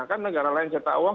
kan negara lain cetak uang